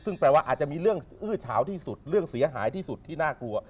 ซึ่งแปลว่าอาจจะมีเรื่องอื้อเฉาที่สุดเรื่องเสียหายที่สุดที่น่ากลัว